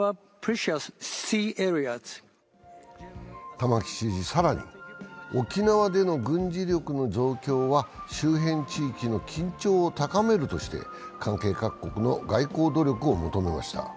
玉城知事、更に沖縄での軍事力の増強は周辺地域の緊張を高めるとして関係各国の外交努力を求めました。